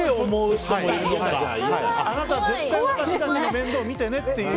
あなた絶対私たちの面倒を見てねって。